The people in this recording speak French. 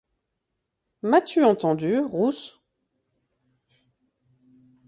M'as-tu entendu, Rousse ?